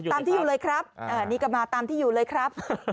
ตามที่อยู่เลยครับนี่ก็มาตามที่อยู่เลยครับ